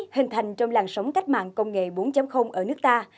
hình thành trong làn sóng cách mạng công nghệ bốn ở nước ta